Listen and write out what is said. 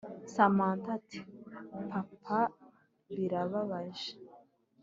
samantha ati ” papa birababaje”